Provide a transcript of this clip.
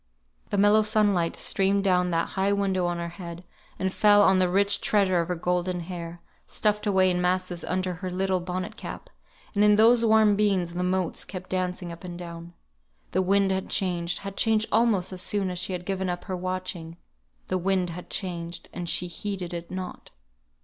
The mellow sunlight streamed down that high window on her head, and fell on the rich treasure of her golden hair, stuffed away in masses under her little bonnet cap; and in those warm beams the motes kept dancing up and down. The wind had changed had changed almost as soon as she had given up her watching; the wind had changed, and she heeded it not.